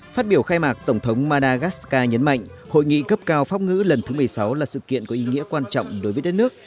phát biểu khai mạc tổng thống madagascar nhấn mạnh hội nghị cấp cao pháp ngữ lần thứ một mươi sáu là sự kiện có ý nghĩa quan trọng đối với đất nước